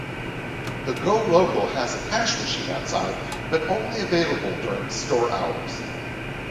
The Go-Local has a cash machine outside but only available during store hours.